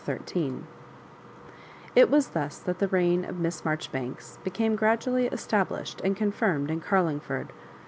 CHAPTER XIIL It was thus that the reign of Miss Marjoribanks became gradually established and confirmed in Carlingford.